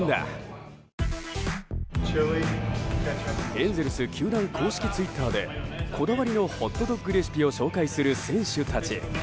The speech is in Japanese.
エンゼルス球団公式ツイッターでこだわりのホットドッグレシピを紹介する選手たち。